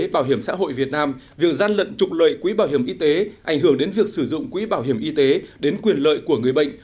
bảo hiểm xã hội việt nam việc gian lận trục lợi quỹ bảo hiểm y tế ảnh hưởng đến việc sử dụng quỹ bảo hiểm y tế đến quyền lợi của người bệnh